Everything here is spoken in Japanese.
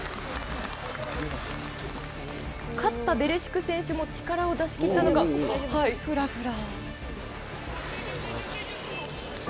勝ったベレシュク選手も力を出しきったのか、ふらふら。